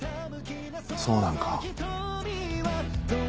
そうなんか。